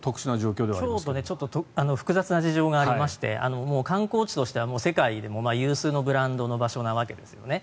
ちょっと複雑な事情がありまして観光地としては世界でも有数のブランドの場所なわけですよね。